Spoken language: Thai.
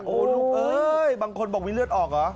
โอ้โฮบางคนบอกวิ่งเลือดออกเหรอ